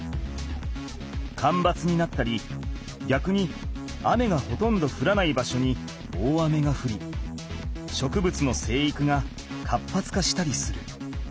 かんばつになったりぎゃくに雨がほとんどふらない場所に大雨がふり植物の生育が活発化したりする。